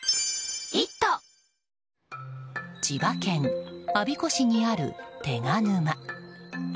千葉県我孫子市にある手賀沼。